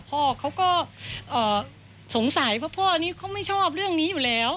พ่อเขาก็สงสัยเพราะพ่อนี้เขาไม่ชอบเรื่องนี้อยู่แล้ว